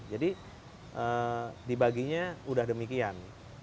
jadi dibaginya udah demikian